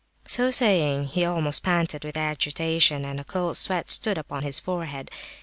So saying, he almost panted with agitation, and a cold sweat stood upon his forehead.